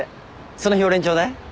その日俺にちょうだい。